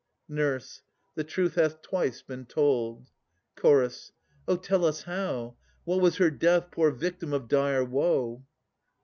NUR. The truth hath twice been told. CH. O tell us how! What was her death, poor victim of dire woe?